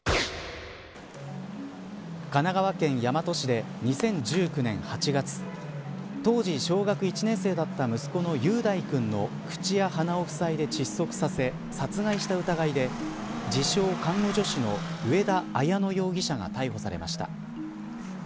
神奈川県大和市で２０１９年８月当時、小学１年生だった息子の雄大君の口や鼻をふさいで窒息させ殺害した疑いで自称看護助手の上田綾乃容疑者が逮捕されました。